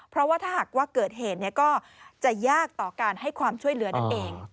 เพราะว่าถ้าหากว่าเกิดเหตุก็จะยากต่อการให้ความช่วยเหลือนั่นเอง